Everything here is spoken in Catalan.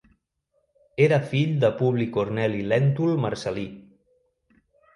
Era fill de Publi Corneli Lèntul Marcel·lí.